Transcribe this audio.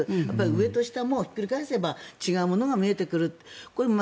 上と下もひっくり返せば違うものが見えてくる。